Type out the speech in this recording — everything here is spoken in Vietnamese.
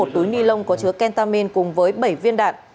một túi ni lông có chứa kentamin cùng với bảy viên đạn